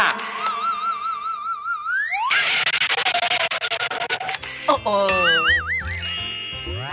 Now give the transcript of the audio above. อย่างเอ่อ